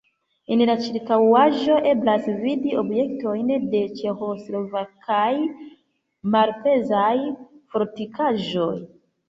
En la ĉirkaŭaĵo eblas vidi objektojn de ĉeĥoslovakaj malpezaj fortikaĵoj.